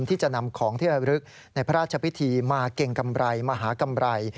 ที่จะนำของที่ระลึกในพระราชพิธีมาเก่งกำไรมหากำไร